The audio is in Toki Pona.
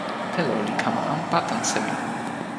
telo li kama anpa tan sewi.